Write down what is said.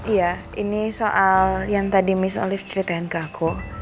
iya ini soal yang tadi mis olive ceritain ke aku